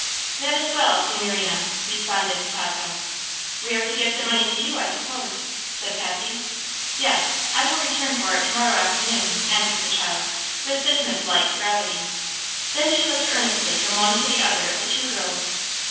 "That is well, signorina," responded Tato. "We are to give the money to you, I suppose?" said Patsy. "Yes; I will return for it to morrow afternoon," answered the child, with business like gravity. Then she looked earnestly from one to the other of the two girls.